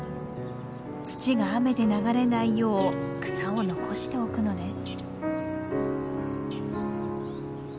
土が雨で流れないよう草を残しておくのです。